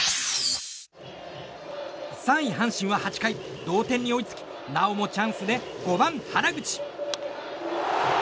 ３位、阪神は８回同点に追いつきなおもチャンスで５番、原口。